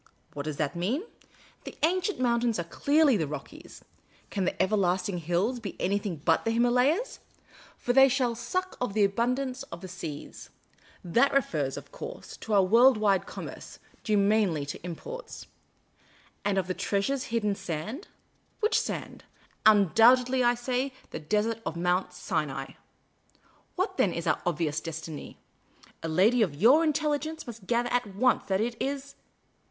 What does that mean ? The ancient mountains are clearly the Rockies ; can the everlasting hills be anything but the Himalayas ?' For they shall suck of the abundance of the The Urbane Old Gentleman 165 seas '— that refers, of course, to our world wide commerce, due mainly to imports —* and of the treasures hid in the sund.' Which sand ? Undoubtedly, I say, the desert of Mount Sinai. What then is our obvious destiny ? A lady of your intelligence must gather at once that it is